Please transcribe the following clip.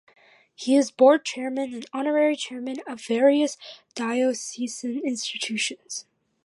He is board chairman and honorary chairman of various diocesan institutions.